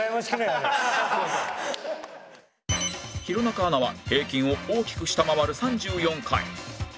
弘中アナは平均を大きく下回る３４回